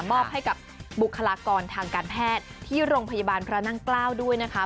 มอบให้กับบุคลากรทางการแพทย์ที่โรงพยาบาลพระนั่งเกล้าด้วยนะคะ